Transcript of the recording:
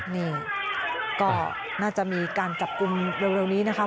นี่ก็น่าจะมีการจับกลุ่มเร็วนี้นะคะ